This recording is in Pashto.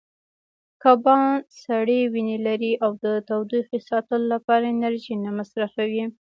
کبان سړې وینې لري او د تودوخې ساتلو لپاره انرژي نه مصرفوي.